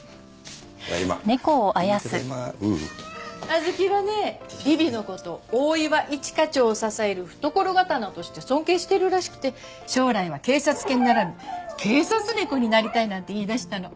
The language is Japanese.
あずきはねビビの事大岩一課長を支える懐刀として尊敬してるらしくて将来は警察犬ならぬ警察猫になりたいなんて言いだしたの。